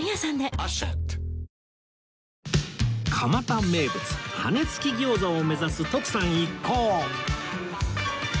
蒲田名物羽根付き餃子を目指す徳さん一行